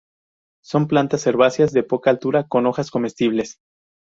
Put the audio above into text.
Son plantas herbáceas de poca altura con hojas comestibles.